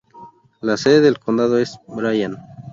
La sede del condado es Bryan.